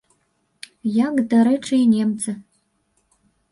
Як, дарэчы, і немцы.